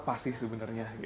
apa sih sebenarnya